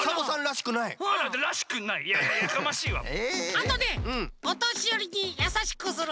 あとねおとしよりにやさしくする。